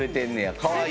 かわいい。